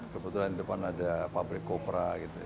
kebetulan di depan ada pabrik kopra gitu ya